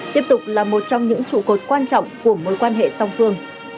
tiếp tục là một trong những trụ cột quan trọng của mối quan hệ song phương